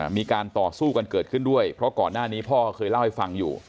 มีการต่อสู้กันเกิดขึ้นด้วยเพราะก่อนหน้านี้พ่อเคยเล่าให้ฟังอยู่